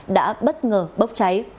đã bất ngờ bốc chạy